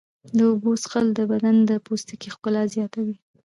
د اوبو څښل د بدن د پوستکي ښکلا زیاتوي.